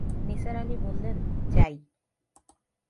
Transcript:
নিসার আলি বললেন, যাই।